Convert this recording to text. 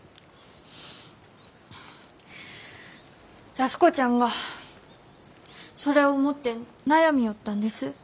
安子ちゃんがそれを持って悩みょうったんです。